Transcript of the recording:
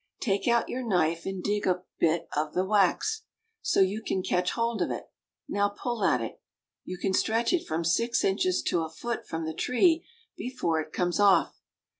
Take out your knife and dig up a bit of the wax, so you can catch hold of it. Now pull at it. You can stretch it from six inches to a foot from the tree before it comes off.